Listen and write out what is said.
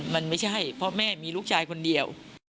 มันไม่ใช่เพราะแม่มีลูกชายคนเดียว